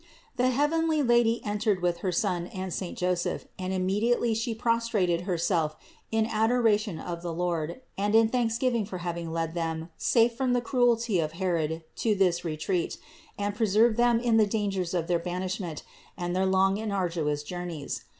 The heavenly Lady entered with her Son and saint Joseph, and immediately She prostrated Herself in adoration of the Lord and in thanksgiving for having led Them, safe from the cruelty of Herod, to this retreat, and preserved Them in the dangers of their banishment and their long and arduous journeys.